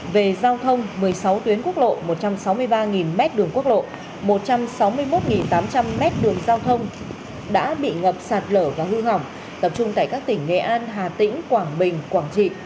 về giao thông một mươi sáu tuyến quốc lộ một trăm sáu mươi ba m đường quốc lộ một trăm sáu mươi một tám trăm linh m đường giao thông đã bị ngập sạt lở và hư hỏng tập trung tại các tỉnh nghệ an hà tĩnh quảng bình quảng trị